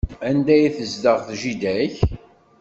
Anda ay tezdeɣ jida-k?